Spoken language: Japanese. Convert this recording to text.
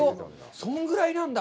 そんぐらいなんだ。